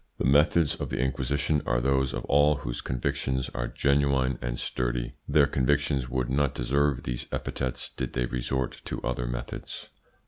The methods of the Inquisition are those of all whose convictions are genuine and sturdy. Their convictions would not deserve these epithets did they resort to other methods.